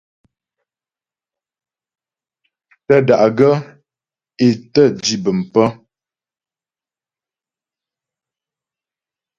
Tə́́ da'gaə́ é tə́ dǐ bəm pə̀.